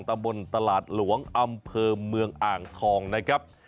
ตำบลตลาดหลวงอำเภอเมืองอ่างทองนะครับ